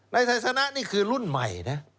ในไทยสนะนี่คือรุ่นใหม่นะ